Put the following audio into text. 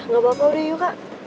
gapapa udah yuk kak